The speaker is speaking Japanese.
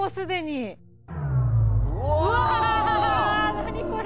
何これ？